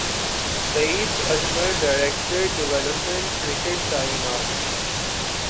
سعید Ajmal director development cricket تعینات